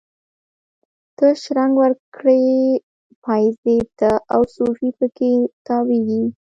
ته شرنګ ورکړي پایزیب ته، او صوفي په کې تاویږي